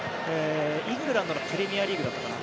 イングランドのプレミアリーグだったかな。